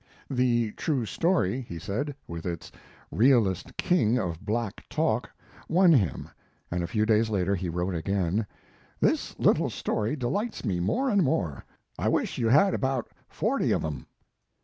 The "True Story," he said, with its "realest king of black talk," won him, and a few days later he wrote again: "This little story delights me more and more. I wish you had about forty of 'em."